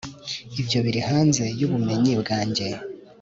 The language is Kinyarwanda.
Ibyo biri hanze yubumenyi bwanjye